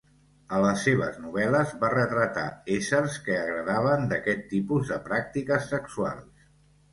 A les seves novel·les va retratar éssers que agradaven d'aquest tipus de pràctiques sexuals.